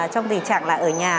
trong tình trạng là ở nhà